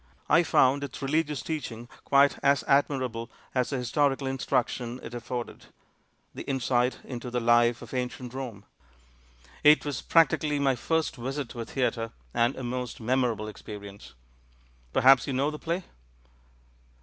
I found its religious teaching quite as admirable as the historical instruction it af forded — the insight into the life of ancient Kome. It was practically my first visit to a theatre, and a most memorable experience. Perhaps you know the play?"